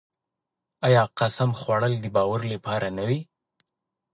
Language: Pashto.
آیا د قسم خوړل د باور لپاره نه وي؟